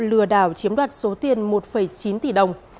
lừa đảo chiếm đoạt số tiền một chín tỷ đồng